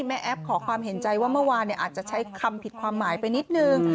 แอฟขอความเห็นใจว่าเมื่อวานอาจจะใช้คำผิดความหมายไปนิดนึง